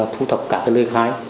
thu thập các lời khai